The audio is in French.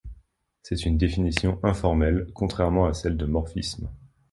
C'est une définition informelle, contrairement à celle de morphisme.